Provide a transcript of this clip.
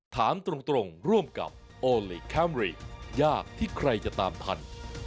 ถามตรงร่วมกับโอลี่คัมรี่ยากที่ใครจะตามทัน